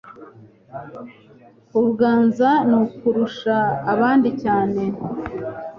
Kuganza ni uKurusha abandi cyane.